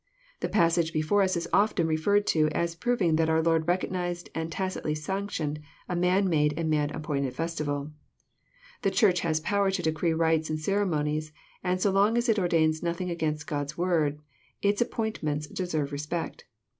The passage before us is often referred to, as proving that oUr Lord recognized, and tacitly sanctioned, a man made and man appointed festival. " The Church has power to decree rites and ceremonies," and so long as it ordains nothing against God's Word, its appoint ments deserve respect.